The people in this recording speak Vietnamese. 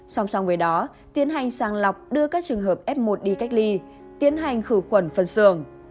song song với đó tiến hành sang lọc đưa các trường hợp f một đi cách ly tiến hành khử quẩn phân xường